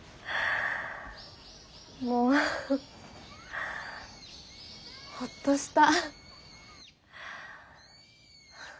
もうホッとした。